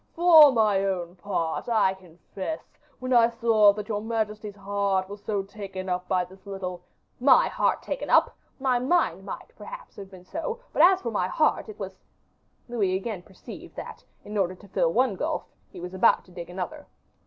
For my own part, I confess, when I saw that your majesty's heart was so taken up by this little " "My heart taken up! I! My mind might, perhaps, have been so; but as for my heart, it was " Louis again perceived that, in order to fill one gulf, he was about to dig another.